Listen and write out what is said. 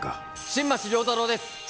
新町亮太郎です